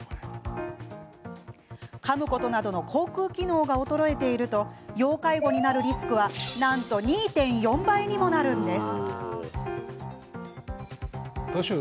かむことなどの口くう機能が衰えていると要介護になるリスクはなんと２．４倍にもなるんです。